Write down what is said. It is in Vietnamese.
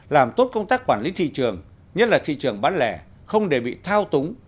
làm tốt công tác quản lý thị trường nhất là thị trường bán lẻ không để bị thao túng